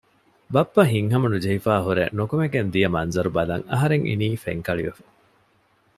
ބައްޕަ ހިތްހަމަނުޖެހިފައިހުރެ ނުކުމެގެންދިޔަ މަންޒަރު ބަލަން އަހަރެން އިނީ ފެންކަޅިވެފަ